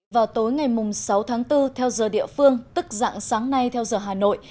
vào tối ngày sáu tháng bốn theo giờ địa phương tức dạng sáng nay theo giờ hà nội